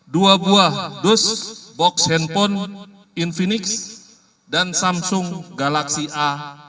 dua buah dus box handphone infinix dan samsung galaxy a